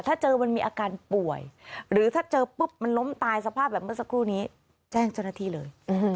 ถ้าเจอมันมีอาการป่วยหรือถ้าเจอปุ๊บมันล้มตายสภาพแบบเมื่อสักครู่นี้แจ้งเจ้าหน้าที่เลย